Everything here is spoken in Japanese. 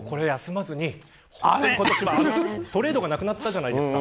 今年はトレードがなくなったじゃないですか。